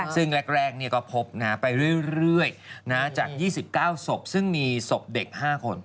ซึ่งแรกก็พบไปเรื่อยจาก๒๙ศพซึ่งมีศพเด็ก๕คน